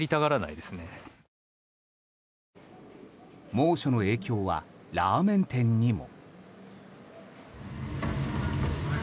猛暑の影響はラーメン店にも。